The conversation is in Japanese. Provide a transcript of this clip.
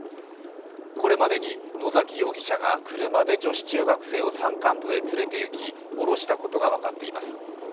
これまでに野崎容疑者が車で女子中学生を山間部へ連れていき降ろしたことが分かっています。